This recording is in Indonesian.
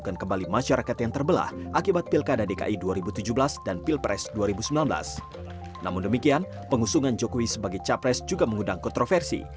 namun demikian pengusungan jokowi sebagai capres juga mengundang kontroversi